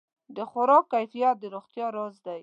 د خوراک کیفیت د روغتیا راز دی.